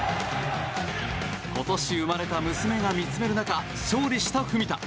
今年、生まれた娘が見つめる中勝利した文田。